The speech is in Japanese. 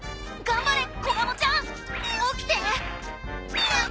頑張れ！